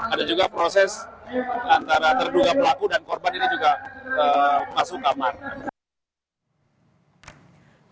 ada juga proses antara terduga pelaku dan korban ini juga masuk kamar